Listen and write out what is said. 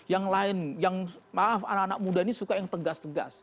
yang lain yang maaf anak anak muda ini suka yang tegas tegas